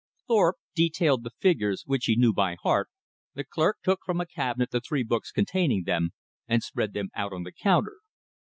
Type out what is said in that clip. Thorpe detailed the figures, which he knew by heart, the clerk took from a cabinet the three books containing them, and spread them out on the counter.